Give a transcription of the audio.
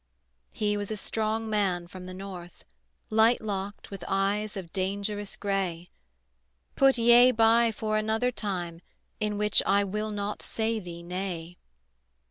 He was a strong man from the north, Light locked, with eyes of dangerous gray: "Put yea by for another time In which I will not say thee nay."